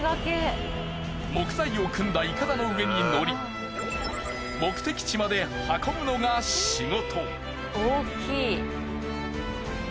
木材を組んだ筏の上に乗り目的地まで運ぶのが仕事。